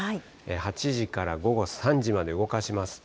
８時から午後３時まで動かしますと。